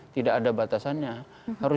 tidak ada batasannya harus